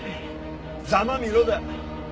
ざまあみろだ！